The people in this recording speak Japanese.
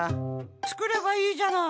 つくればいいじゃない。